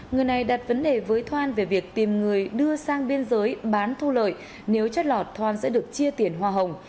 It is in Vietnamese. người này đặt vấn đề với thoan về việc tìm người đưa sang biên giới bán thu lợi nếu chất lọt thoan sẽ được chia tiền hoa hồng